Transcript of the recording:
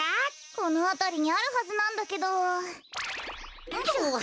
このあたりにあるはずなんだけど。